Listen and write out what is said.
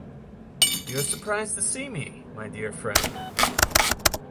You're surprised to see me, my dear friend.